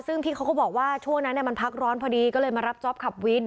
ซึ่งที่เขาก็บอกว่าช่วงนั้นมันพักร้อนพอดีก็เลยมารับจ๊อปขับวิน